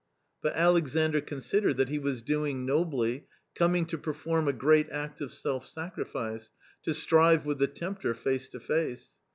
But Alexandr considered that he was doing nobly, coming to perform a great act of self sacrifice, to strive with the tempter face to face.